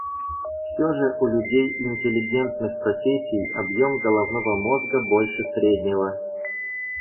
Все же у людей интеллигентных профессий объем головного мозга больше среднего.